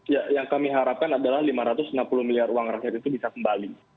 ya yang kami harapkan adalah rp lima ratus enam puluh miliar itu bisa kembali